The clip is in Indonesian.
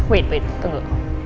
wait wait tunggu